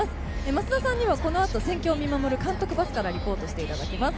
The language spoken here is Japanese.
増田さんにはこのあと戦況を見守る監督バスからお伝えしていただきます。